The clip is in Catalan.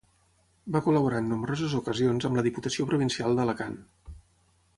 Va col·laborar en nombroses ocasions amb la Diputació Provincial d'Alacant.